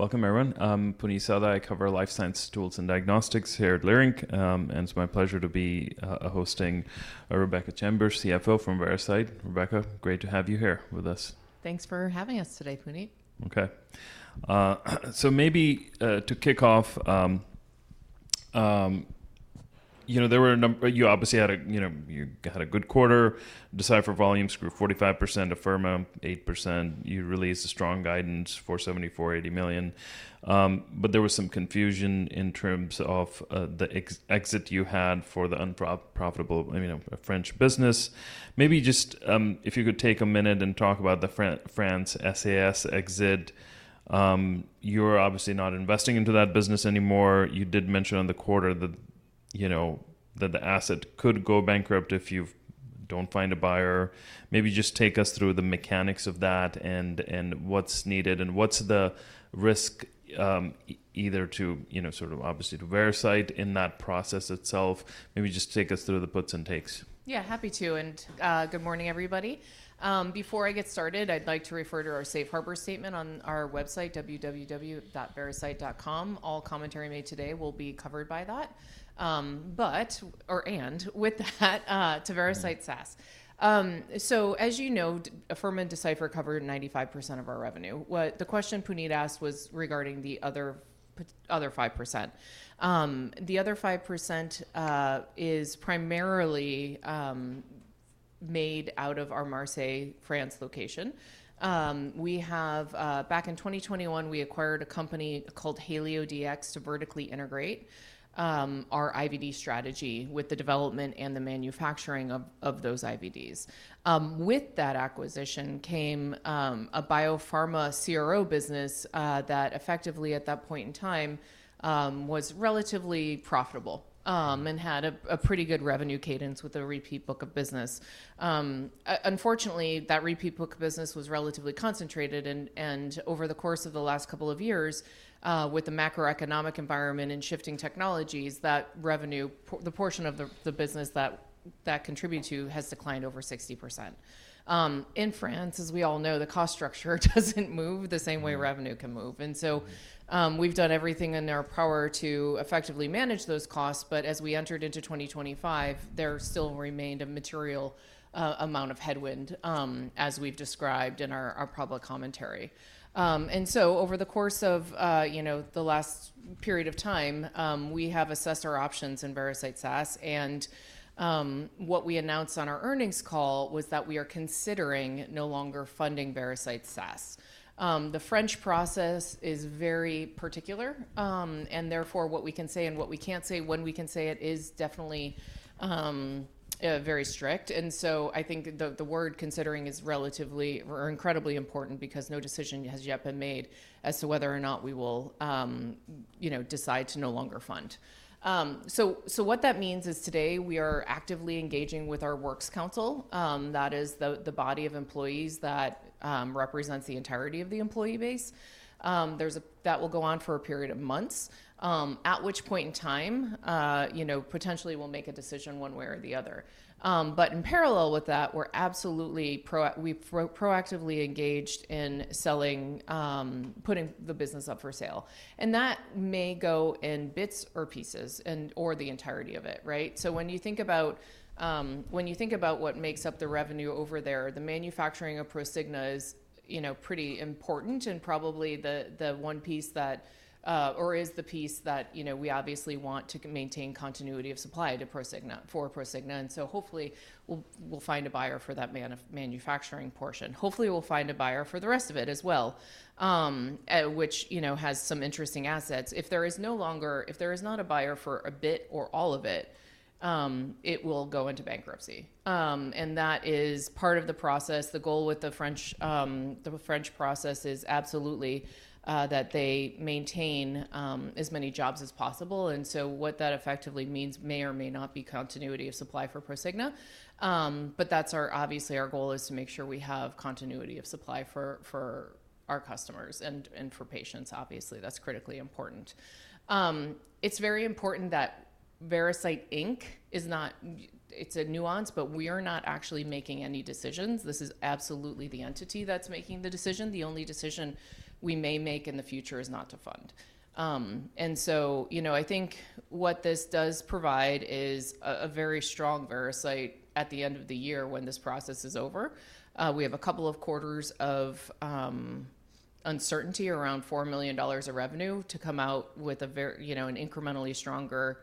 Welcome, everyone. I'm Puneet Souda. I cover Life Science Tools and Diagnostics here at Leerink, and it's my pleasure to be hosting Rebecca Chambers, CFO from Veracyte. Rebecca, great to have you here with us. Thanks for having us today, Puneet. Okay. Maybe to kick off, you know, there were a number—you obviously had a, you know, you had a good quarter. Decipher volumes grew 45%, Afirma 8%. You released a strong guidance for $74,080,000. There was some confusion in terms of the exit you had for the unprofitable, you know, French business. Maybe just if you could take a minute and talk about the France SAS exit. You're obviously not investing into that business anymore. You did mention in the quarter that, you know, that the asset could go bankrupt if you don't find a buyer. Maybe just take us through the mechanics of that and what's needed and what's the risk either to, you know, sort of obviously to Veracyte in that process itself. Maybe just take us through the puts and takes. Yeah, happy to. Good morning, everybody. Before I get started, I'd like to refer to our Safe Harbor Statement on our website, www.veracyte.com. All commentary made today will be covered by that. With that, to Veracyte SAS. As you know, Afirma and Decipher covered 95% of our revenue. The question Puneet asked was regarding the other 5%. The other 5% is primarily made out of our Marseille, France location. Back in 2021, we acquired a company called HalioDx to vertically integrate our IVD strategy with the development and the manufacturing of those IVDs. With that acquisition came a Biopharma CRO business that effectively at that point in time was relatively profitable and had a pretty good revenue cadence with a repeat book of business. Unfortunately, that repeat book of business was relatively concentrated, and over the course of the last couple of years, with the macroeconomic environment and shifting technologies, that revenue, the portion of the business that contributed to, has declined over 60%. In France, as we all know, the cost structure doesn't move the same way revenue can move. We have done everything in our power to effectively manage those costs. As we entered into 2025, there still remained a material amount of headwind, as we've described in our public commentary. Over the course of the last period of time, we have assessed our options in Veracyte SAS, and what we announced on our earnings call was that we are considering no longer funding Veracyte SAS. The French process is very particular, and therefore what we can say and what we can't say, when we can say it, is definitely very strict. I think the word considering is relatively or incredibly important because no decision has yet been made as to whether or not we will, you know, decide to no longer fund. What that means is today we are actively engaging with our Works Council. That is the body of employees that represents the entirety of the employee base. That will go on for a period of months, at which point in time, you know, potentially we'll make a decision one way or the other. In parallel with that, we've proactively engaged in selling, putting the business up for sale. That may go in bits or pieces and/or the entirety of it, right? When you think about what makes up the revenue over there, the manufacturing of Prosigna is, you know, pretty important and probably the one piece that—or is the piece that, you know, we obviously want to maintain continuity of supply to Prosigna for Prosigna. You know, hopefully we'll find a buyer for that manufacturing portion. Hopefully we'll find a buyer for the rest of it as well, which, you know, has some interesting assets. If there is not a buyer for a bit or all of it, it will go into bankruptcy. That is part of the process. The goal with the French process is absolutely that they maintain as many jobs as possible. What that effectively means may or may not be continuity of supply for Prosigna. That's our—obviously our goal is to make sure we have continuity of supply for our customers and for patients. Obviously, that's critically important. It's very important that Veracyte Inc is not—it's a nuance, but we are not actually making any decisions. This is absolutely the entity that's making the decision. The only decision we may make in the future is not to fund. You know, I think what this does provide is a very strong Veracyte at the end of the year when this process is over. We have a couple of quarters of uncertainty around $4 million of revenue to come out with a very—you know, an incrementally stronger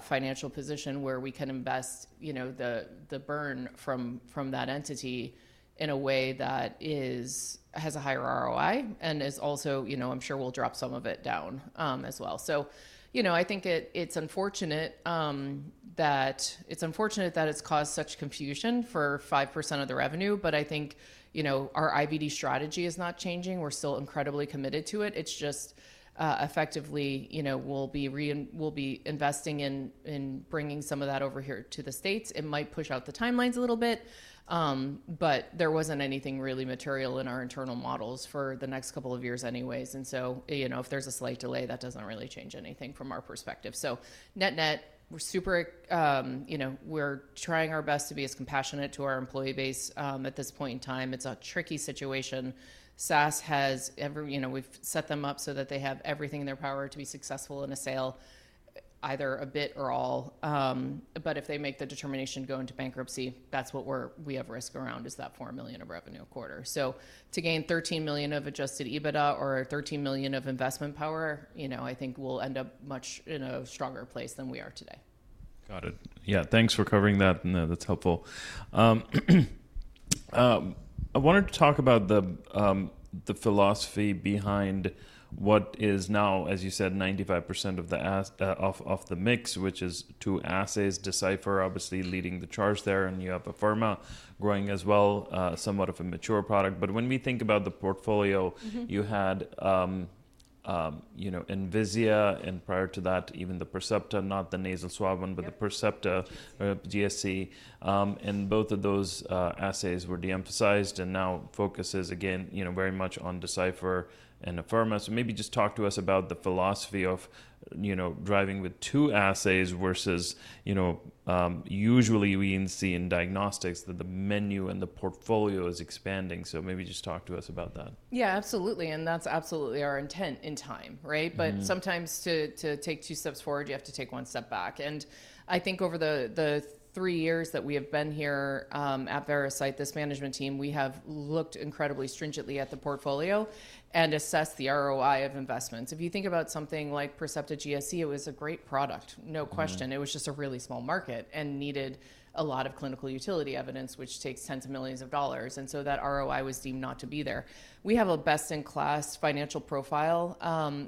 financial position where we can invest, you know, the burn from that entity in a way that has a higher ROI and is also, you know, I'm sure we'll drop some of it down as well. I think it's unfortunate that it's caused such confusion for 5% of the revenue. I think our IVD strategy is not changing. We're still incredibly committed to it. It's just effectively, we'll be investing in bringing some of that over here to the States. It might push out the timelines a little bit, but there wasn't anything really material in our internal models for the next couple of years anyways. If there's a slight delay, that doesn't really change anything from our perspective. Net-net, we're super—you know, we're trying our best to be as compassionate to our employee base at this point in time. It's a tricky situation. SAS has ever—you know, we've set them up so that they have everything in their power to be successful in a sale, either a bit or all. If they make the determination to go into bankruptcy, that's what we have risk around is that $4 million of revenue a quarter. To gain $13 million of adjusted EBITDA or $13 million of investment power, you know, I think we'll end up much in a stronger place than we are today. Got it. Yeah. Thanks for covering that. That's helpful. I wanted to talk about the philosophy behind what is now, as you said, 95% of the mix which is two assays. Decipher, obviously leading the charge there. And you have Afirma growing as well, somewhat of a mature product. But when we think about the portfolio, you had, you know, Envisia and prior to that, even the Percepta, not the nasal swab one, but the Percepta GSC. And both of those assays were de-emphasized and now focus is again, you know, very much on Decipher and Afirma. Maybe just talk to us about the philosophy of, you know, driving with two assays versus, you know, usually we see in diagnostics that the menu and the portfolio is expanding. Maybe just talk to us about that. Yeah, absolutely. That is absolutely our intent in time, right? Sometimes to take two steps forward, you have to take one step back. I think over the three years that we have been here at Veracyte, this management team, we have looked incredibly stringently at the portfolio and assessed the ROI of investments. If you think about something like Percepta GSC, it was a great product, no question. It was just a really small market and needed a lot of clinical utility evidence, which takes tens of millions of dollars. That ROI was deemed not to be there. We have a best-in-class financial profile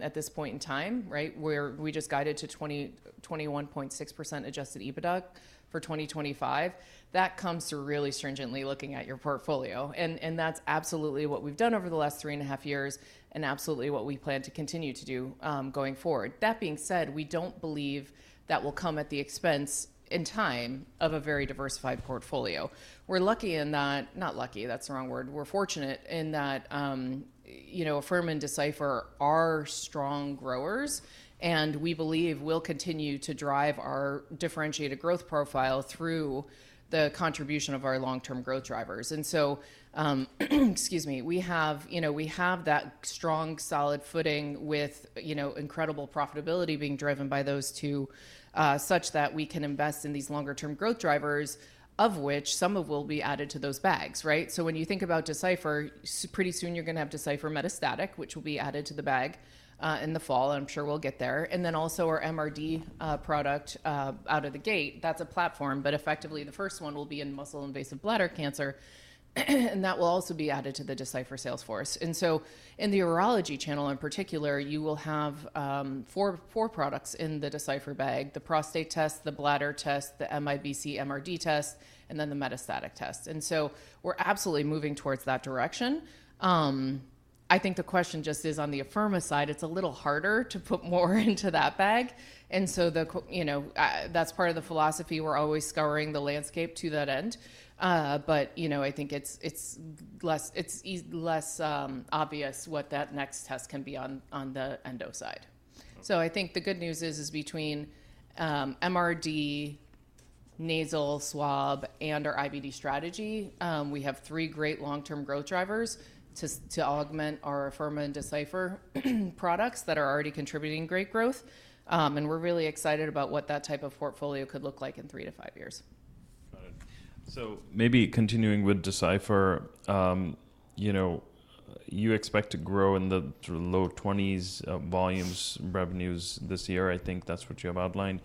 at this point in time, right? We just guided to 21.6% adjusted EBITDA for 2025. That comes through really stringently looking at your portfolio. That is absolutely what we've done over the last three and a half years and absolutely what we plan to continue to do going forward. That being said, we don't believe that will come at the expense in time of a very diversified portfolio. We're lucky in that—not lucky, that's the wrong word. We're fortunate in that, you know, Afirma and Decipher are strong growers and we believe will continue to drive our differentiated growth profile through the contribution of our long-term growth drivers. Excuse me, we have, you know, we have that strong, solid footing with, you know, incredible profitability being driven by those two such that we can invest in these longer-term growth drivers, of which some will be added to those bags, right? When you think about Decipher, pretty soon you're going to have Decipher Metastatic, which will be added to the bag in the fall. I'm sure we'll get there. Also, our MRD product out of the gate, that's a platform, but effectively the first one will be in muscle invasive bladder cancer. That will also be added to the Decipher sales force. In the urology channel in particular, you will have four products in the Decipher bag: the prostate test, the bladder test, the MIBC MRD test, and then the metastatic test. We're absolutely moving towards that direction. I think the question just is on the Afirma side, it's a little harder to put more into that bag. That's part of the philosophy. We're always scouring the landscape to that end. You know, I think it is less obvious what that next test can be on the endo side. I think the good news is between MRD, nasal swab, and our IVD strategy, we have three great long-term growth drivers to augment our Afirma and Decipher products that are already contributing great growth. We are really excited about what that type of portfolio could look like in three to five years. Got it. Maybe continuing with Decipher, you know, you expect to grow in the low 20s volumes revenues this year. I think that's what you have outlined.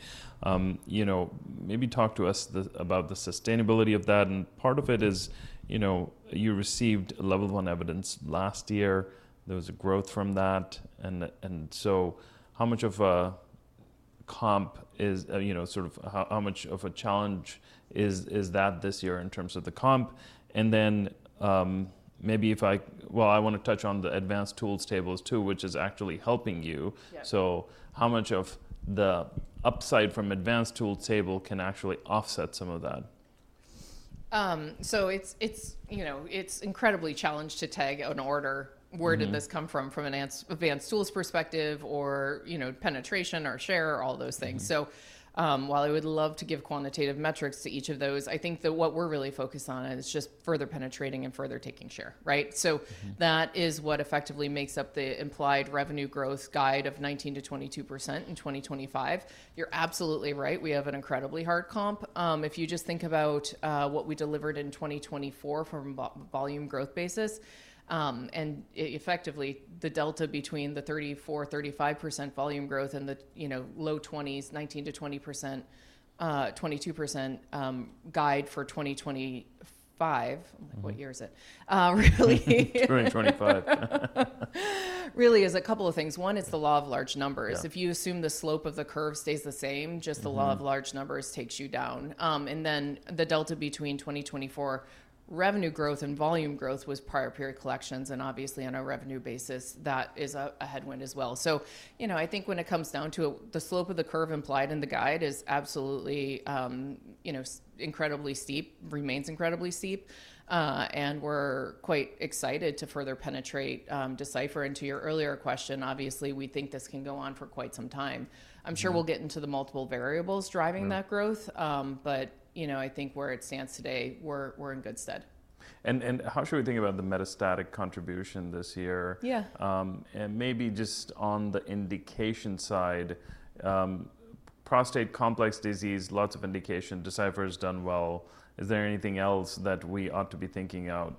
You know, maybe talk to us about the sustainability of that. Part of it is, you know, you received level one evidence last year. There was a growth from that. How much of a comp is, you know, sort of how much of a challenge is that this year in terms of the comp? Maybe if I—I want to touch on the advanced tools tables too, which is actually helping you. How much of the upside from advanced tools table can actually offset some of that? It's incredibly challenged to tag in order where did this come from, from an advanced tools perspective or, you know, penetration or share or all those things. While I would love to give quantitative metrics to each of those, I think that what we're really focused on is just further penetrating and further taking share, right? That is what effectively makes up the implied revenue growth guide of 19%-22% in 2025. You're absolutely right. We have an incredibly hard comp. If you just think about what we delivered in 2024 from a volume growth basis, and effectively the delta between the 34%-35% volume growth and the, you know, low 20s, 19%-20%, 22% guide for 2025. I'm like, what year is it? Really. It's 2025. Really is a couple of things. One is the law of large numbers. If you assume the slope of the curve stays the same, just the law of large numbers takes you down. The delta between 2024 revenue growth and volume growth was prior period collections. Obviously on a revenue basis, that is a headwind as well. You know, I think when it comes down to it, the slope of the curve implied in the guide is absolutely, you know, incredibly steep, remains incredibly steep. We are quite excited to further penetrate Decipher. To your earlier question, obviously we think this can go on for quite some time. I am sure we will get into the multiple variables driving that growth. You know, I think where it stands today, we are in good stead. How should we think about the metastatic contribution this year? Yeah. Maybe just on the indication side, prostate complex disease, lots of indication. Decipher has done well. Is there anything else that we ought to be thinking out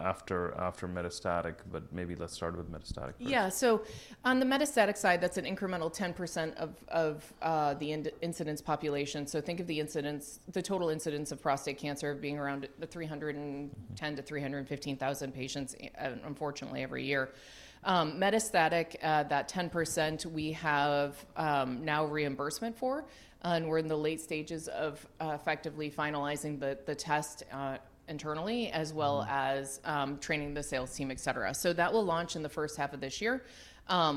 after metastatic? Maybe let's start with metastatic. Yeah. On the metastatic side, that's an incremental 10% of the incidence population. Think of the incidence, the total incidence of prostate cancer being around 310,000 to 315,000 patients, unfortunately every year. Metastatic, that 10% we have now reimbursement for. We are in the late stages of effectively finalizing the test internally as well as training the sales team, et cetera. That will launch in the first half of this year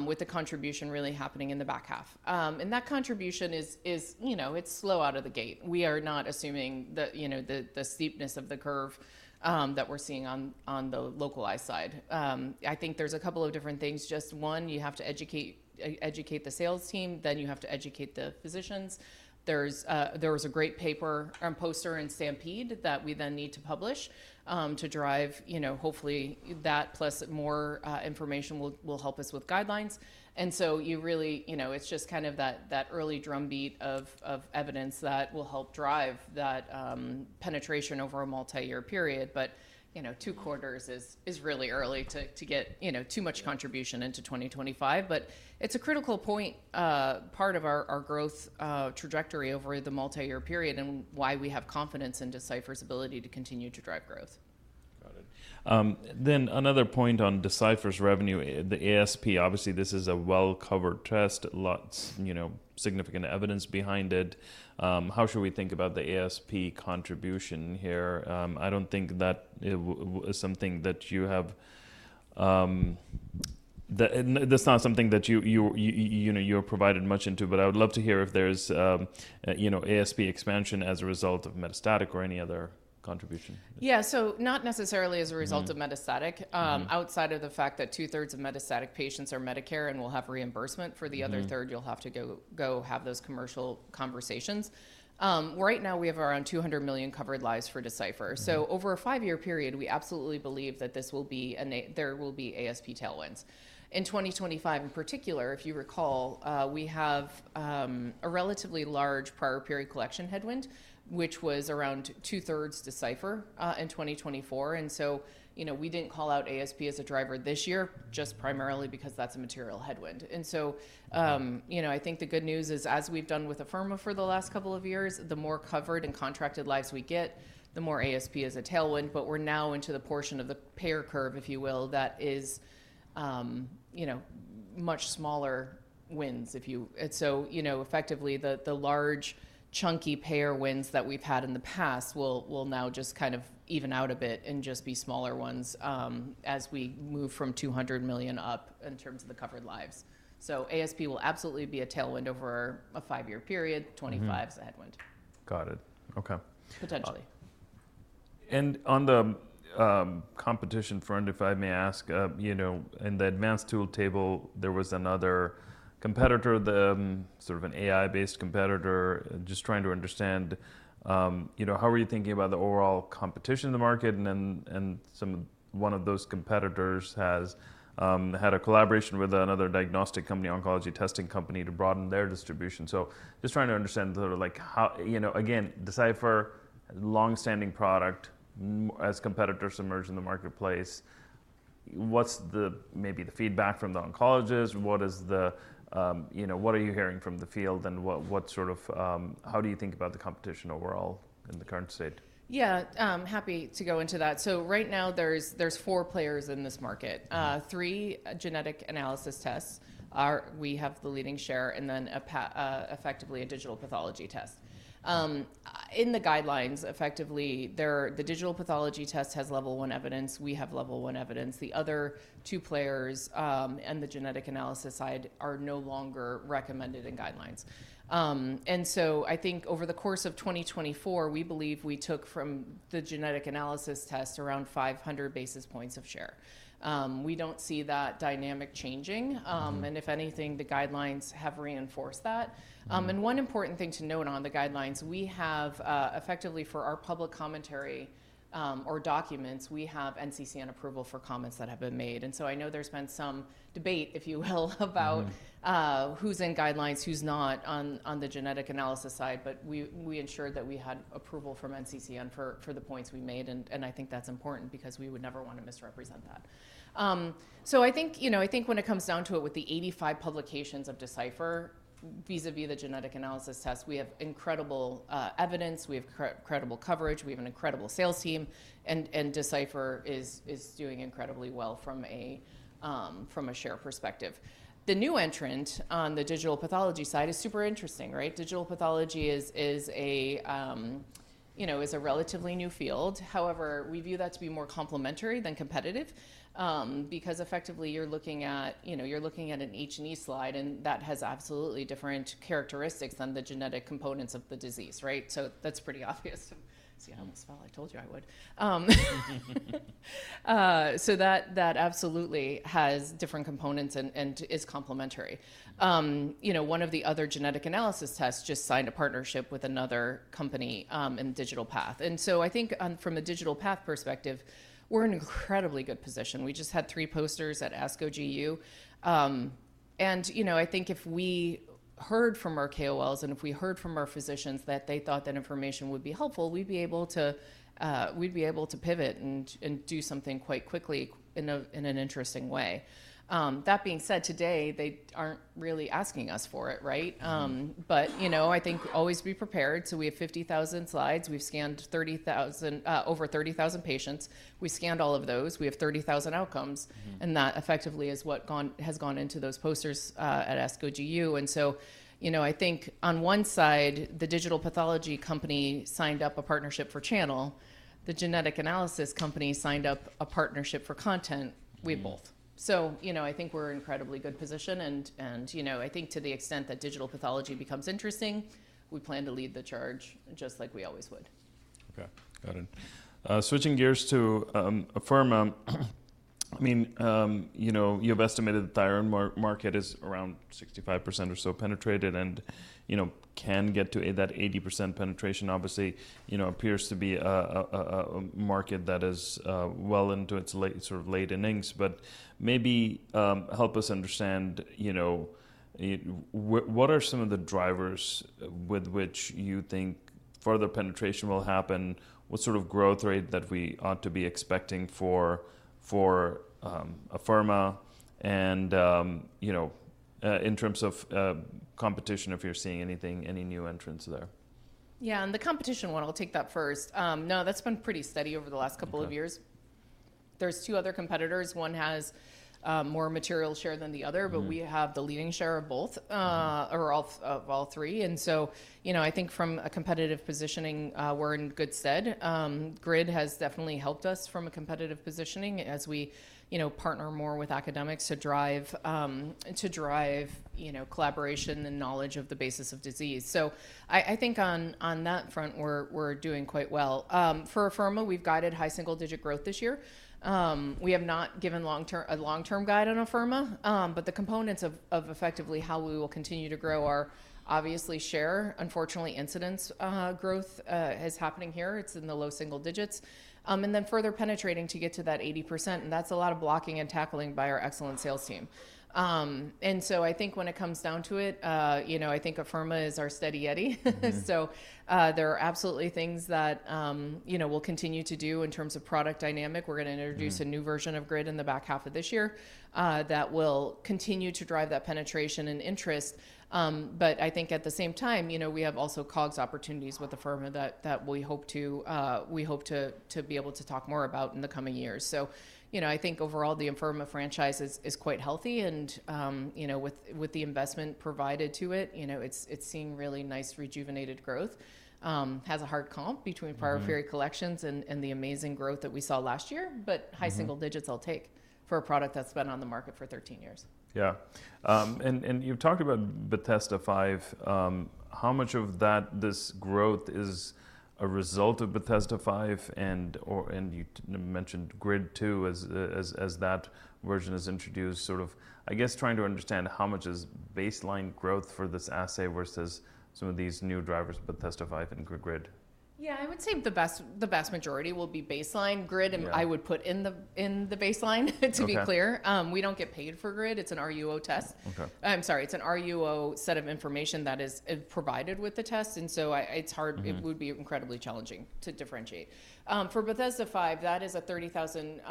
with the contribution really happening in the back half. That contribution is, you know, it's slow out of the gate. We are not assuming that, you know, the steepness of the curve that we're seeing on the localized side. I think there's a couple of different things. Just one, you have to educate the sales team. Then you have to educate the physicians. There was a great paper and poster in STAMPEDE that we then need to publish to drive, you know, hopefully that plus more information will help us with guidelines. You really, you know, it's just kind of that early drumbeat of evidence that will help drive that penetration over a multi-year period. You know, two quarters is really early to get, you know, too much contribution into 2025. It is a critical point, part of our growth trajectory over the multi-year period and why we have confidence in Decipher's ability to continue to drive growth. Got it. Another point on Decipher's revenue, the ASP, obviously this is a well-covered test, you know, significant evidence behind it. How should we think about the ASP contribution here? I do not think that is something that you have, that is not something that you have provided much into, but I would love to hear if there is, you know, ASP expansion as a result of metastatic or any other contribution. Yeah. Not necessarily as a result of metastatic. Outside of the fact that two-thirds of metastatic patients are Medicare and we'll have reimbursement for the other third, you'll have to go have those commercial conversations. Right now we have around 200 million covered lives for Decipher. Over a five-year period, we absolutely believe that this will be, there will be ASP tailwinds. In 2025 in particular, if you recall, we have a relatively large prior period collection headwind, which was around two-thirds Decipher in 2024. You know, we didn't call out ASP as a driver this year just primarily because that's a material headwind. You know, I think the good news is as we've done with Afirma for the last couple of years, the more covered and contracted lives we get, the more ASP as a tailwind. We're now into the portion of the payer curve, if you will, that is, you know, much smaller winds. If you, so, you know, effectively the large chunky payer winds that we've had in the past will now just kind of even out a bit and just be smaller ones as we move from 200 million up in terms of the covered lives. So ASP will absolutely be a tailwind over a five-year period, 2025 as a headwind. Got it. Okay. Potentially. On the competition front, if I may ask, you know, in the advanced tool table, there was another competitor, sort of an AI-based competitor, just trying to understand, you know, how are you thinking about the overall competition in the market? One of those competitors has had a collaboration with another diagnostic company, oncology testing company to broaden their distribution. Just trying to understand sort of like how, you know, again, Decipher, longstanding product as competitors emerge in the marketplace. What's the, maybe the feedback from the oncologists? What is the, you know, what are you hearing from the field and what sort of, how do you think about the competition overall in the current state? Yeah, happy to go into that. Right now there's four players in this market. Three genetic analysis tests are, we have the leading share, and then effectively a digital pathology test. In the guidelines, effectively the digital pathology test has level one evidence. We have level one evidence. The other two players on the genetic analysis side are no longer recommended in guidelines. I think over the course of 2024, we believe we took from the genetic analysis test around 500 basis points of share. We do not see that dynamic changing. If anything, the guidelines have reinforced that. One important thing to note on the guidelines, we have effectively for our public commentary or documents, we have NCCN approval for comments that have been made. I know there's been some debate, if you will, about who's in guidelines, who's not on the genetic analysis side, but we ensured that we had approval from NCCN for the points we made. I think that's important because we would never want to misrepresent that. I think, you know, I think when it comes down to it with the 85 publications of Decipher vis-à-vis the genetic analysis test, we have incredible evidence, we have credible coverage, we have an incredible sales team, and Decipher is doing incredibly well from a share perspective. The new entrant on the digital pathology side is super interesting, right? Digital pathology is a, you know, is a relatively new field. However, we view that to be more complimentary than competitive because effectively you're looking at, you know, you're looking at an H&E slide and that has absolutely different characteristics than the genetic components of the disease, right? That's pretty obvious. See, I almost felt I told you I would. That absolutely has different components and is complimentary. You know, one of the other genetic analysis tests just signed a partnership with another company in the digital path. I think from a digital path perspective, we're in an incredibly good position. We just had three posters at ASCO GU. You know, I think if we heard from our KOLs and if we heard from our physicians that they thought that information would be helpful, we'd be able to, we'd be able to pivot and do something quite quickly in an interesting way. That being said, today they aren't really asking us for it, right? But, you know, I think always be prepared. We have 50,000 slides. We've scanned 30,000, over 30,000 patients. We scanned all of those. We have 30,000 outcomes. That effectively is what has gone into those posters at ASCO GU. You know, I think on one side, the digital pathology company signed up a partnership for channel. The genetic analysis company signed up a partnership for content. We both. You know, I think we're in an incredibly good position. You know, I think to the extent that digital pathology becomes interesting, we plan to lead the charge just like we always would. Okay. Got it. Switching gears to Afirma, I mean, you know, you've estimated that the thyroid market is around 65% or so penetrated and, you know, can get to that 80% penetration. Obviously, you know, appears to be a market that is well into its sort of late innings. Maybe help us understand, you know, what are some of the drivers with which you think further penetration will happen? What sort of growth rate that we ought to be expecting for Afirma? You know, in terms of competition, if you're seeing anything, any new entrants there? Yeah. The competition one, I'll take that first. No, that's been pretty steady over the last couple of years. There are two other competitors. One has more material share than the other, but we have the leading share of all three. You know, I think from a competitive positioning, we're in good stead. GRID has definitely helped us from a competitive positioning as we partner more with academics to drive, to drive, you know, collaboration and knowledge of the basis of disease. I think on that front, we're doing quite well. For Afirma, we've guided high single-digit growth this year. We have not given a long-term guide on Afirma, but the components of effectively how we will continue to grow are obviously share. Unfortunately, incidence growth is happening here. It's in the low single digits. Further penetrating to get to that 80%. That is a lot of blocking and tackling by our excellent sales team. I think when it comes down to it, you know, I think Afirma is our steady yeti. There are absolutely things that, you know, we will continue to do in terms of product dynamic. We are going to introduce a new version of GRID in the back half of this year that will continue to drive that penetration and interest. I think at the same time, you know, we have also cogs opportunities with Afirma that we hope to be able to talk more about in the coming years. You know, I think overall the Afirma franchise is quite healthy. You know, with the investment provided to it, it is seeing really nice rejuvenated growth. Has a hard comp between prior period collections and the amazing growth that we saw last year. High single digits I'll take for a product that's been on the market for 13 years. Yeah. You have talked about Bethesda V. How much of that, this growth is a result of Bethesda V? You mentioned GRID 2 as that version is introduced, sort of, I guess trying to understand how much is baseline growth for this assay versus some of these new drivers, Bethesda V and GRID? Yeah, I would say the vast majority will be baseline. GRID, I would put in the baseline to be clear. We don't get paid for GRID. It's an RUO test. I'm sorry, it's an RUO set of information that is provided with the test. It's hard, it would be incredibly challenging to differentiate. For Bethesda V, that is a 30,000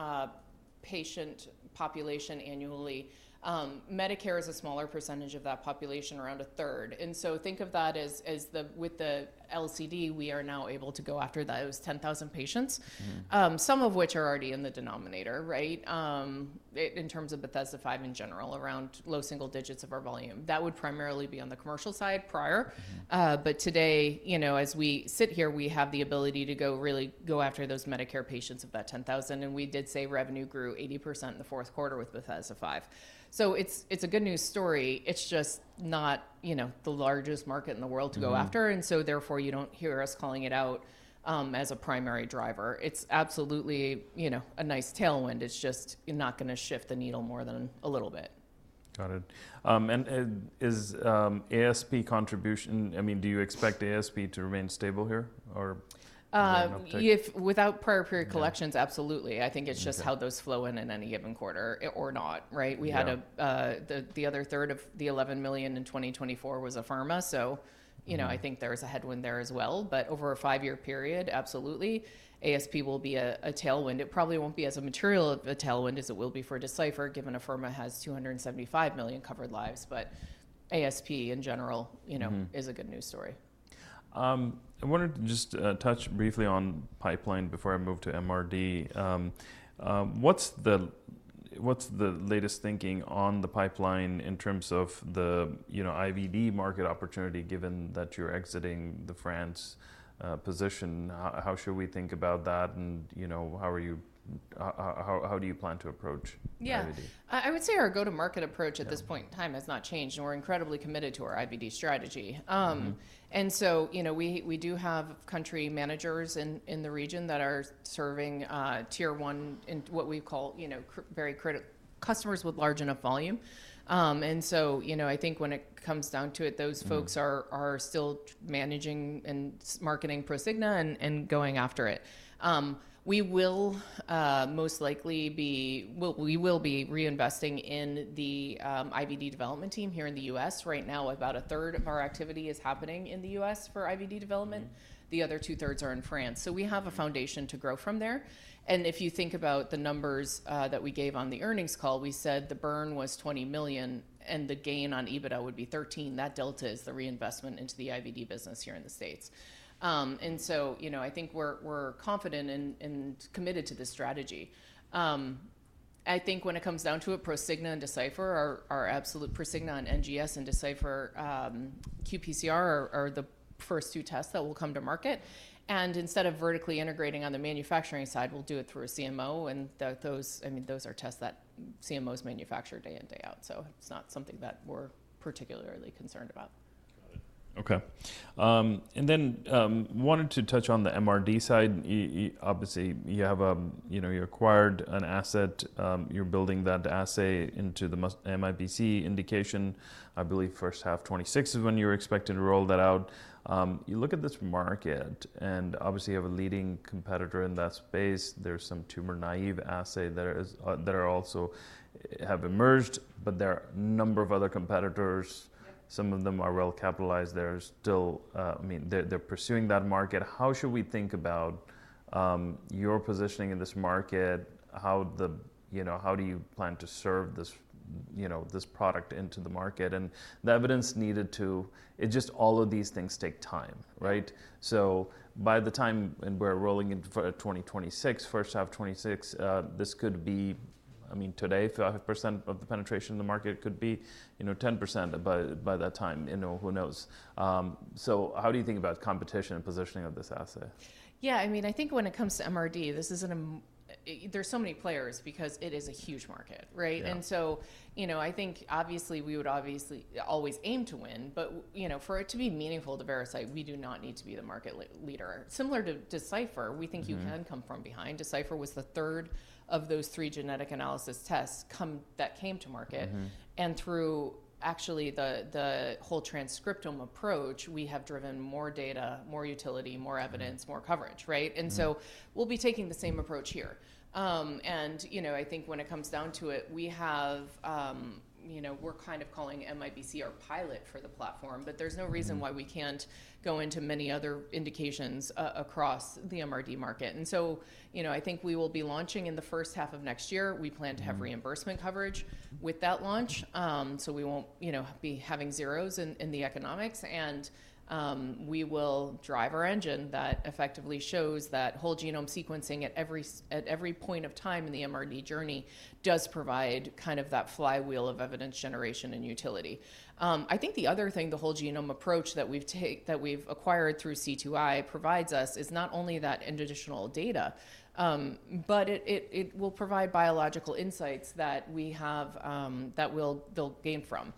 patient population annually. Medicare is a smaller percentage of that population, around a third. Think of that as with the LCD, we are now able to go after those 10,000 patients, some of which are already in the denominator, right? In terms of Bethesda V in general, around low single digits of our volume. That would primarily be on the commercial side prior. Today, you know, as we sit here, we have the ability to really go after those Medicare patients of that 10,000. We did say revenue grew 80% in the fourth quarter with Bethesda V. It is a good news story. It is just not, you know, the largest market in the world to go after. Therefore you do not hear us calling it out as a primary driver. It is absolutely, you know, a nice tailwind. It is just not going to shift the needle more than a little bit. Got it. Is ASP contribution, I mean, do you expect ASP to remain stable here? Without prior period collections, absolutely. I think it's just how those flow in in any given quarter or not, right? We had the other third of the $11 million in 2024 was Afirma. You know, I think there's a headwind there as well. Over a five-year period, absolutely, ASP will be a tailwind. It probably won't be as material of a tailwind as it will be for Decipher given Afirma has 275 million covered lives. ASP in general, you know, is a good news story. I wanted to just touch briefly on pipeline before I move to MRD. What's the latest thinking on the pipeline in terms of the, you know, IVD market opportunity given that you're exiting the France position? How should we think about that? You know, how are you, how do you plan to approach IVD? Yeah. I would say our go-to-market approach at this point in time has not changed. And we're incredibly committed to our IVD strategy. You know, we do have country managers in the region that are serving tier one in what we call, you know, very critical customers with large enough volume. You know, I think when it comes down to it, those folks are still managing and marketing Prosigna and going after it. We will most likely be, we will be reinvesting in the IVD development team here in the U.S. Right now, about a third of our activity is happening in the U.S. for IVD development. The other two-thirds are in France. We have a foundation to grow from there. If you think about the numbers that we gave on the earnings call, we said the burn was $20 million and the gain on EBITDA would be $13 million. That delta is the reinvestment into the IVD business here in the States. You know, I think we're confident and committed to this strategy. I think when it comes down to it, Prosigna and Decipher are absolute. Prosigna and NGS and Decipher, qPCR are the first two tests that will come to market. Instead of vertically integrating on the manufacturing side, we'll do it through a CMO. Those are tests that CMOs manufacture day in, day out. It's not something that we're particularly concerned about. Got it. Okay. I wanted to touch on the MRD side. Obviously, you have, you know, you acquired an asset. You're building that assay into the MIBC indication. I believe first half 2026 is when you were expected to roll that out. You look at this market and obviously you have a leading competitor in that space. There are some tumor naive assays that also have emerged, but there are a number of other competitors. Some of them are well capitalized. They're still, I mean, they're pursuing that market. How should we think about your positioning in this market? How do you plan to serve this, you know, this product into the market? And the evidence needed to, it just all of these things take time, right? By the time we're rolling into 2026, first half 2026, this could be, I mean, today 5% of the penetration in the market could be, you know, 10% by that time, you know, who knows? How do you think about competition and positioning of this assay? Yeah, I mean, I think when it comes to MRD, this isn't a, there's so many players because it is a huge market, right? And so, you know, I think obviously we would obviously always aim to win, but, you know, for it to be meaningful to Veracyte, we do not need to be the market leader. Similar to Decipher, we think you can come from behind. Decipher was the third of those three genetic analysis tests that came to market. And through actually the whole transcriptome approach, we have driven more data, more utility, more evidence, more coverage, right? And so we'll be taking the same approach here. And, you know, I think when it comes down to it, we have, you know, we're kind of calling MIBC our pilot for the platform, but there's no reason why we can't go into many other indications across the MRD market. You know, I think we will be launching in the first half of next year. We plan to have reimbursement coverage with that launch. You know, we will not be having zeros in the economics. We will drive our engine that effectively shows that whole genome sequencing at every point of time in the MRD journey does provide kind of that flywheel of evidence generation and utility. I think the other thing the whole genome approach that we have acquired through C2i provides us is not only that additional data, but it will provide biological insights that we have, that we will gain from.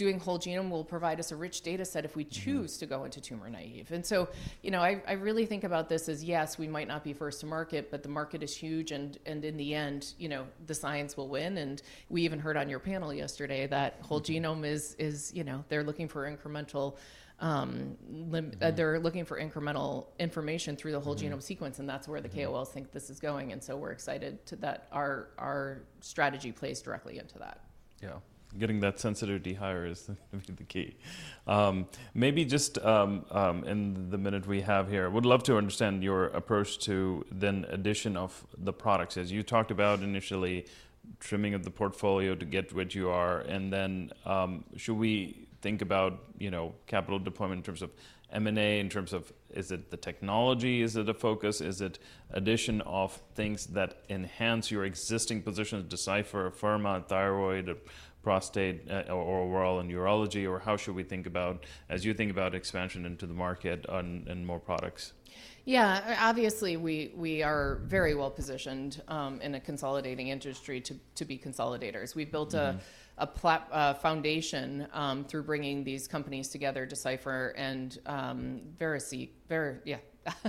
Doing whole genome will provide us a rich data set if we choose to go into tumor naive. You know, I really think about this as yes, we might not be first to market, but the market is huge. In the end, you know, the science will win. You know, we even heard on your panel yesterday that whole genome is, you know, they're looking for incremental, they're looking for incremental information through the whole genome sequence. That is where the KOLs think this is going. We are excited that our strategy plays directly into that. Yeah. Getting that sensitivity higher is the key. Maybe just in the minute we have here, I would love to understand your approach to then addition of the products. As you talked about initially trimming of the portfolio to get what you are. And then should we think about, you know, capital deployment in terms of M&A, in terms of is it the technology, is it a focus, is it addition of things that enhance your existing position, Decipher, Afirma, Thyroid, Prostate, or [Oral and Urology, or how should we think about as you think about expansion into the market and more products? Yeah. Obviously, we are very well positioned in a consolidating industry to be consolidators. We've built a foundation through bringing these companies together, Decipher and Veracyte, yeah,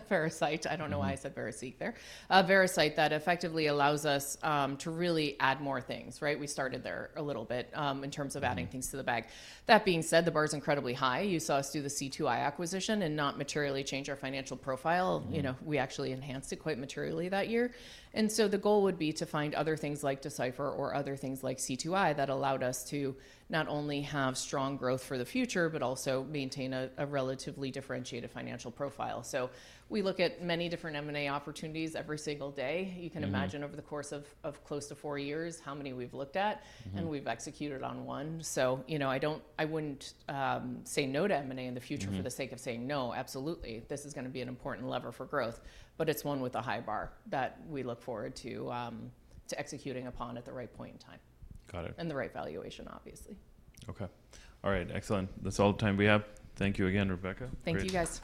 Veracyte. I don't know why I said Veracyt there. Veracyte that effectively allows us to really add more things, right? We started there a little bit in terms of adding things to the bag. That being said, the bar's incredibly high. You saw us do the C2i acquisition and not materially change our financial profile. You know, we actually enhanced it quite materially that year. The goal would be to find other things like Decipher or other things like C2i that allowed us to not only have strong growth for the future, but also maintain a relatively differentiated financial profile. We look at many different M&A opportunities every single day. You can imagine over the course of close to four years how many we've looked at and we've executed on one. You know, I don't, I wouldn't say no to M&A in the future for the sake of saying no. Absolutely. This is going to be an important lever for growth, but it's one with a high bar that we look forward to executing upon at the right point in time. Got it. The right valuation, obviously. Okay. All right. Excellent. That's all the time we have. Thank you again, Rebecca. Thank you guys.